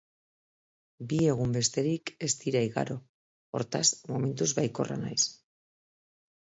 Bi egun besterik ez dira igaro, hortaz, momentuz baikorra naiz.